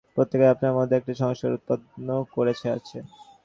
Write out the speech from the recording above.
আপনারা অনেক মানুষ দেখিয়াছেন, প্রত্যেকেই আপনাদের মনে একটি সংস্কার উৎপন্ন করিয়াছে।